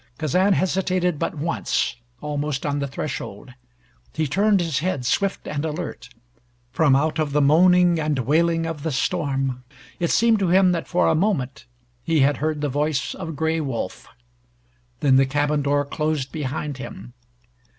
Kazan hesitated but once almost on the threshold. He turned his head, swift and alert. From out of the moaning and wailing of the storm it seemed to him that for a moment he had heard the voice of Gray Wolf. Then the cabin door closed behind him.